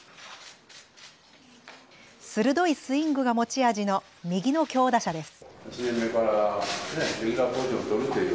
鋭いスイングが持ち味の右の強打者です。